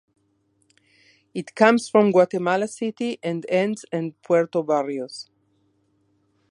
It comes from Guatemala City and ends end Puerto Barrios.